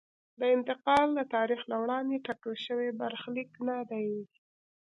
دا انتقال د تاریخ له وړاندې ټاکل شوی برخلیک نه دی.